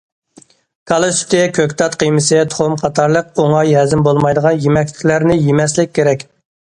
كالا سۈتى، كۆكتات قىيمىسى، تۇخۇم قاتارلىق ئوڭاي ھەزىم بولمايدىغان يېمەكلىكلەرنى يېمەسلىك كېرەك.